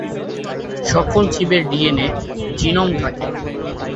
সকল জীবের DNA genome থাকে।